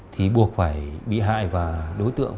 thì buộc phải bị hại và đối tượng